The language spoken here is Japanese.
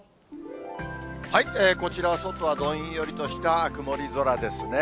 こちらは、外はどんよりとした曇り空ですね。